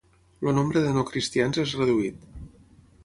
El nombre de no cristians és reduït.